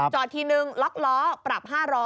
จอดทีนึงล็อกล้อปรับ๕๐๐